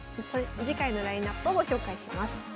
次回のラインナップをご紹介します。